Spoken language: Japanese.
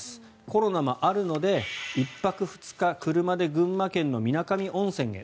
コロナもあるので１泊２日車で群馬県の水上温泉へ。